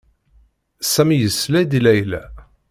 Sami yesla-d i Layla.